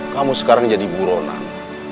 kamu sekarang jadi buronan